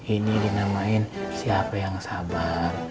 ini dinamain siapa yang sabar